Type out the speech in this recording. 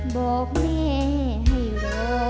บอกแม่ให้รอ